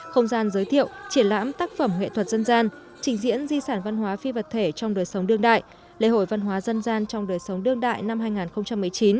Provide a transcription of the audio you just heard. không gian giới thiệu triển lãm tác phẩm nghệ thuật dân gian trình diễn di sản văn hóa phi vật thể trong đời sống đương đại lễ hội văn hóa dân gian trong đời sống đương đại năm hai nghìn một mươi chín